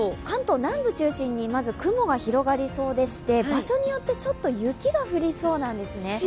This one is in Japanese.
関東南部中心にまず雲が広がりそうでして場所によってちょっと雪が降りそうなんですね。